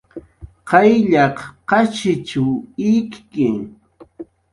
Qayllaq qashich ikki